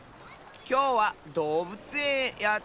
きょうはどうぶつえんへやってきました。